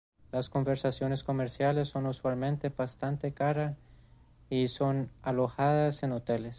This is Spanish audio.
Las convenciones comerciales son usualmente bastante cara y son alojadas en hoteles.